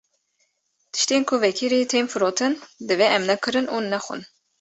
Tiştên ku vekirî tên firotin divê em nekirin û nexwin.